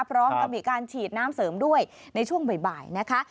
พร้อมกับมีการฉีดน้ำเสริมด้วยในช่วงบ่ายนะคะ